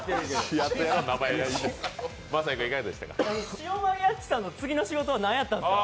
シオマリアッチさんの次の仕事は何やったんやろう。